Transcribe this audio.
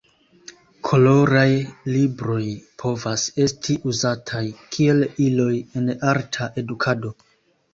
Koloraj libroj povas esti uzataj kiel iloj en arta edukado.